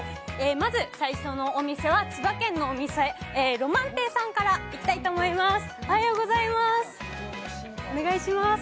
まず最初のお店は、千葉県のお店、ろまん亭さんから行きたいと思います。